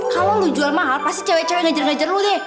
kalau lo jual mahal pasti cewek cewek ngajar ngajar lu deh